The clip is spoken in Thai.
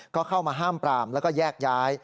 ก็เข้ามาห้ามปรามแล้วก็แยกย้าย